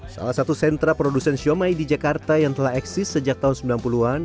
salah satu sentra produsen siomay di jakarta yang telah eksis sejak tahun sembilan puluh an